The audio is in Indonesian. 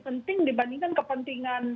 penting dibandingkan kepentingan